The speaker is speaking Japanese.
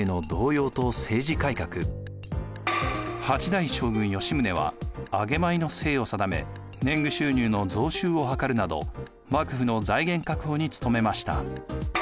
８代将軍・吉宗は上米の制を定め年貢収入の増収をはかるなど幕府の財源確保に努めました。